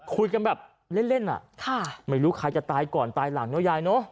คุยกันแบบเล่นอ่ะไม่รู้ใครจะตายก่อนตายหลังเนอะยายเนอะ